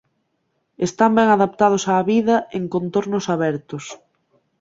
Están ben adaptados á vida en contornos abertos.